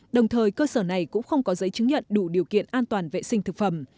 đồng thời cơ sở này cũng không có giấy chứng nhận đủ điều kiện an toàn vệ sinh thực phẩm